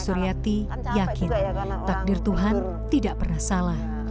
bu suriati yakin takdir tuhan tidak pernah salah